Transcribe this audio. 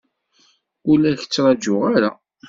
Ur la k-ttṛajuɣ ara.